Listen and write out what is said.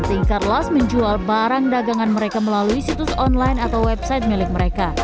thinker las menjual barang dagangan mereka melalui situs online atau website milik mereka